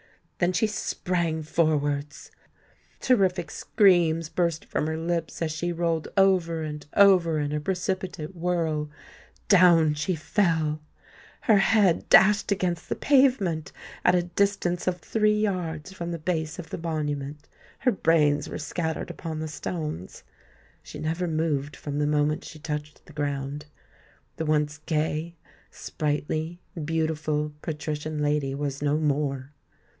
Then she sprang forwards. Terrific screams burst from her lips as she rolled over and over in her precipitate whirl. Down she fell! Her head dashed against the pavement, at a distance of three yards from the base of the Monument. Her brains were scattered upon the stones. She never moved from the moment she touched the ground:—the once gay, sprightly, beautiful patrician lady was no more!